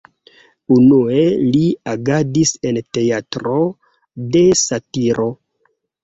Unue li agadis en Teatro de satiro.